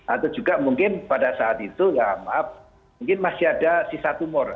atau juga mungkin pada saat itu ya maaf mungkin masih ada sisa tumor